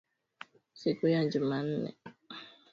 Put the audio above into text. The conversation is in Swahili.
siku ya Jumanne